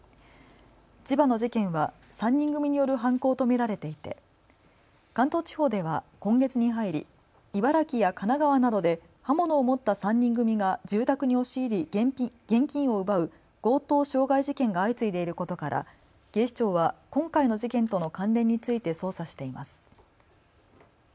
千葉の事件は３人組による犯行と見られていて関東地方では今月に入り茨城や神奈川などで刃物を持った３人組が住宅に押し入り現金を奪う強盗傷害事件が相次いでいることから警視庁は今回の事件との関連について捜査しています。